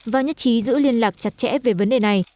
và nhất trí giữ liên lạc chặt chẽ về vấn đề này